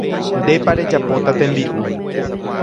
Ndépa rejapóta tembi'u.